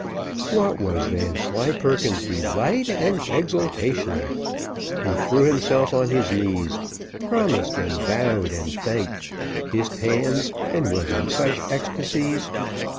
What was Vanslyperken's delight and exultation! He threw himself on his knees, promised, and vowed, and thanked, kissed hands, and was in such ecstasies!